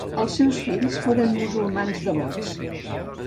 Els seus fills foren musulmans devots.